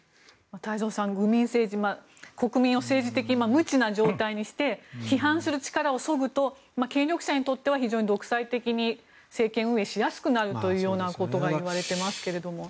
太蔵さん、愚民政治国民を政治的に無知な状態にして批判する力をそぐと権力者にとっては非常に独裁的に政権運営しやすくなるというようなことがいわれていますが。